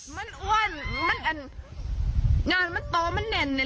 มันอ้วนมันต่อมันแหน่นไม่ต้องติดเพราะมันอ้วนเนี่ย